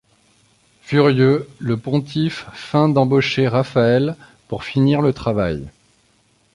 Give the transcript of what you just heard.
Furieux, le pontife feint d'embaucher Raphaël pour finir le travail.